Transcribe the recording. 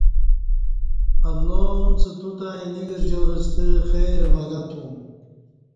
اللہ اُݩڅ توتہ اینہ گرجار ستہ خیر وگہ تم